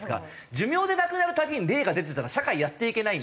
寿命で亡くなるたびに霊が出てたら社会やっていけないので。